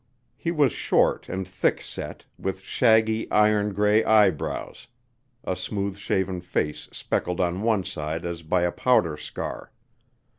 He was short and thick set, with shaggy, iron gray eyebrows, a smooth shaven face speckled on one side as by a powder scar.